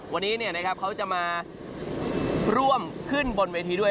วันนี้เนี่ยนะครับเขาจะมาร่วมขึ้นบนเวทีด้วย